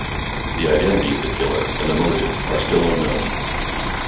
The identity of the killer and the motive are still unknown.